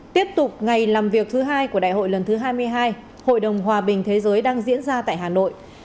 hãy đăng ký kênh để ủng hộ kênh của chúng mình nhé